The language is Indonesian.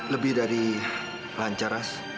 lebih dari lancar ras